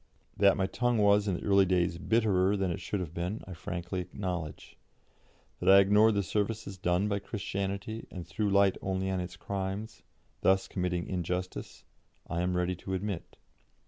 That my tongue was in the early days bitterer than it should have been, I frankly acknowledge; that I ignored the services done by Christianity and threw light only on its crimes, thus committing injustice, I am ready to admit.